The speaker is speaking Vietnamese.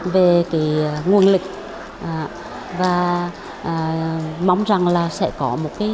về cái nguồn lịch và mong rằng là sẽ có một cái cơ chế phù hợp